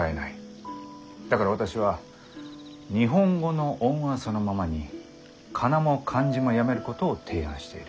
だから私は日本語の音はそのままに仮名も漢字もやめることを提案している。